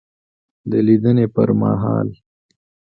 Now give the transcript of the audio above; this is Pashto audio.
دلیدني پر مهال